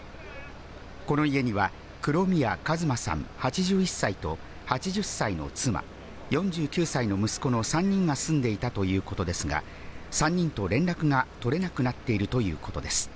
この家には黒宮一馬さん８１歳と８０歳の妻、４９歳の息子の３人が住んでいたということですが、３人と連絡が取れなくなっているということです。